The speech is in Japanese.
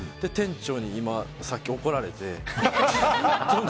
店長にさっき怒られて。